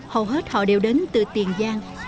hầu hết họ đều đến từ tiền giang